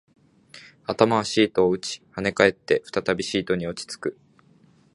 頭はシートを打ち、跳ね返って、再びシートに落ち着く